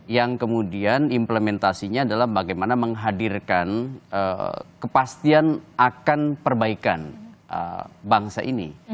yang kemudian implementasinya adalah bagaimana menghadirkan kepastian akan perbaikan bangsa ini